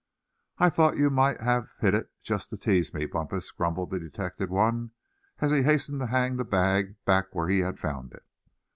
"I thought you might have hid it just to tease me, Bumpus," grumbled the detected one, as he hastened to hang the bag back where he had found it.